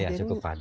ya cukup padat